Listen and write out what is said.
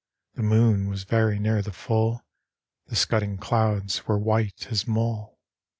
The moon was very near the full, The scudding clouds were white as mull.